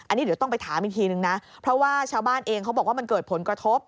อันนี้เดี๋ยวต้องไปถามอีกทีนึงนะเพราะว่าชาวบ้านเองเขาบอกว่ามันเกิดผลกระทบ